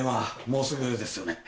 もうすぐですよね？